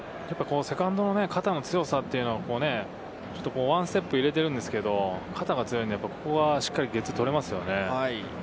セカンドの肩の強さはワンステップ入れてるんですけど、肩がいいのでね、ここはしっかりとゲッツー取れますよね。